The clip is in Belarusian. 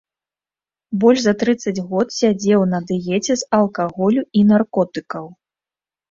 Больш за трыццаць год сядзеў на дыеце з алкаголю і наркотыкаў.